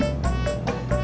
masih nggak buang